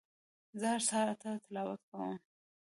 زه هر سهار اته تلاوت کوم